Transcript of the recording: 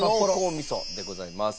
みそでございます。